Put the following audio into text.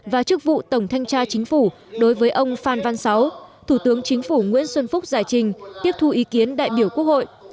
và chức vụ tổng thanh tra chính phủ đối với ông phan văn sáu thủ tướng chính phủ nguyễn xuân phúc giải trình tiếp thu ý kiến đại biểu quốc hội